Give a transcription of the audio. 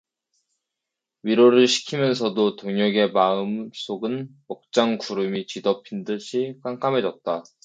위로를 시키면서도 동혁의 마음속은 먹장구름이 뒤덮은 듯이 캄캄해졌다.